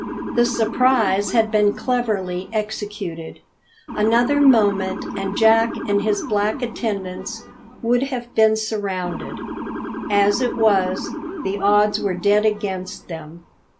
The surprise had been cleverly executed. Another moment, and Jack and his black attendants would have been surrounded. As it was, the odds were dead against them.